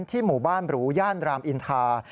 หมู่บ้านหรูย่านรามอินทา